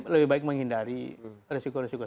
lebih baik menghindari resiko risiko